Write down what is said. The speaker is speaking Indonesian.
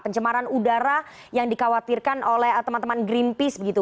pencemaran udara yang dikhawatirkan oleh teman teman greenpeace begitu